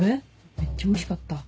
めっちゃおいしかった。